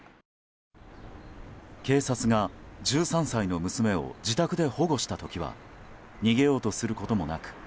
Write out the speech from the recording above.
警察が１３歳の娘を自宅で保護した時は逃げようとすることもなく